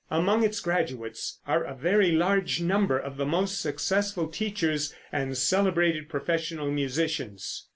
Among its graduates are a very large number of the most successful teachers and celebrated professional musicians.